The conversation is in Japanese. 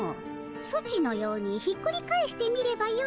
ソチのようにひっくり返してみればよいのじゃ。